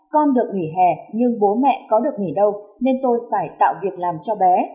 con được nghỉ hè nhưng bố mẹ có được nghỉ đâu nên tôi phải tạo việc làm cho bé